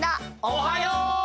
おはよう！